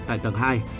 tại tầng hai